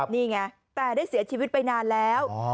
นี่ไงแต่ได้เสียชีวิตไปนานแล้ว